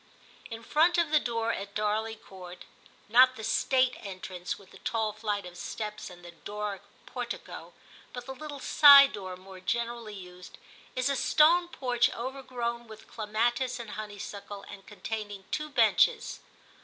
1 64 TIM CHAP. In front of the door at Darley Court — not the state entrance with the tall flight of steps and the Doric portico, but the little side door more generally used — is a stone porch over grown with clematis and honeysuckle, and containing two benches.